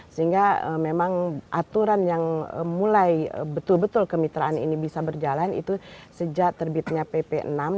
sehingga memang aturan yang mulai betul betul kemitraan ini bisa berjalan itu sejak terbitnya pp enam